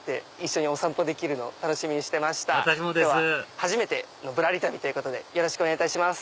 初めての『ぶらり旅』ということでよろしくお願いいたします。